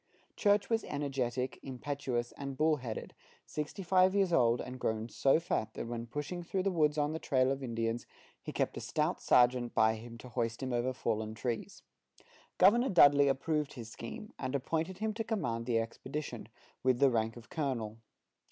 Church was energetic, impetuous, and bull headed, sixty five years old, and grown so fat that when pushing through the woods on the trail of Indians, he kept a stout sergeant by him to hoist him over fallen trees. Governor Dudley approved his scheme, and appointed him to command the expedition, with the rank of colonel.